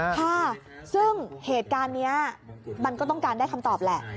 ค่ะซึ่งเหตุการณ์นี้มันก็ต้องการได้คำตอบแหละ